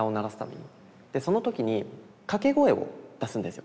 でその時に掛け声を出すんですよ。